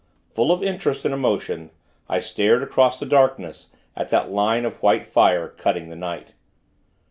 Full of interest and emotion, I stared, across the darkness, at that line of white fire, cutting the night.